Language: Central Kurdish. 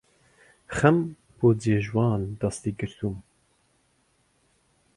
خەم بۆ جێژوان دەستی گرتووم